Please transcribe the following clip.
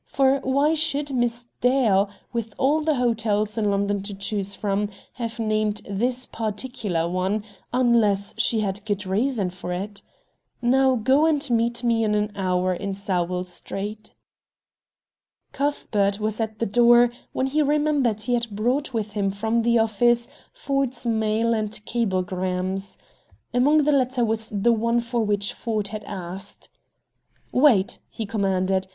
For why should Miss Dale, with all the hotels in London to choose from, have named this particular one, unless she had good reason for it? Now, go, and meet me in an hour in Sowell Street." Cuthbert was at the door when he remembered he had brought with him from the office Ford's mail and cablegrams. Among the latter was the one for which Ford had asked. "Wait," he commanded.